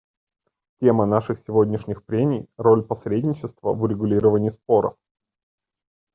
Тема наших сегодняшних прений — «Роль посредничества в урегулировании споров».